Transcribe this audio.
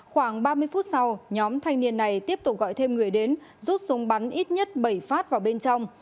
khoảng ba mươi phút sau nhóm thanh niên này tiếp tục gọi thêm người đến rút súng bắn ít nhất bảy phát vào bên trong